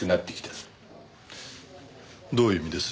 どういう意味です？